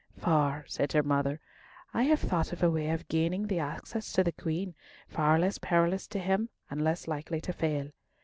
"For," said her mother, "I have thought of a way of gaining thee access to the Queen, far less perilous to him, and less likely to fail.